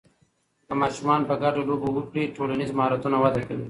که ماشومان په ګډه لوبې وکړي، ټولنیز مهارتونه وده کوي.